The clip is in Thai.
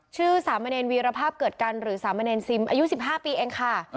สามเณรวีรภาพเกิดกันหรือสามเณรซิมอายุ๑๕ปีเองค่ะ